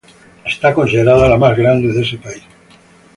Es considerada la más grande de ese país.